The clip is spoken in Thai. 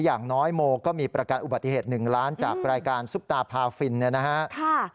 อย่างน้อยโมก็มีประกันอุบัติเหตุ๑ล้านจากรายการซุปตาพาฟินเนี่ยนะฮะ